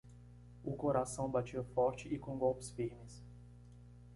O coração batia forte e com golpes firmes.